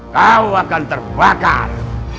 kau akan terbakar